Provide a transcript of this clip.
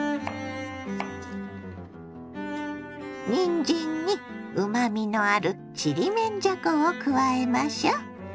にんじんにうまみのあるちりめんじゃこを加えましょ。